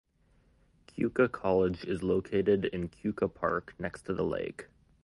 Keuka College is located in Keuka Park next to the lake.